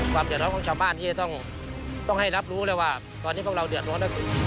เดือดร้อนของชาวบ้านที่จะต้องให้รับรู้เลยว่าตอนนี้พวกเราเดือดร้อนก็คือ